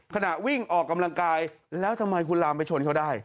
ขณะวิ่งออกกำลังกายแล้วทำไมคุณลามไปชนเขาได้